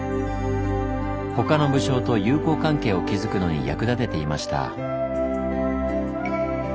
他の武将と友好関係を築くのに役立てていました。